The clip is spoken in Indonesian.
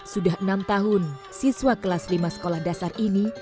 sudah enam tahun siswa kelas lima sekolah dasar ini